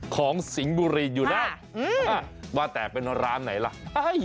ของสิงห์บุรีอยู่น่ะว่าแต่เป็นร้านไหนล่ะนะให้